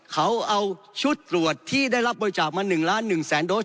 เขาเอาชุดตรวจที่ได้รับบริจาคมา๑๑๐๐๐๐๐โต๊ะ